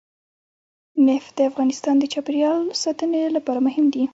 نفت د افغانستان د چاپیریال ساتنې لپاره مهم دي.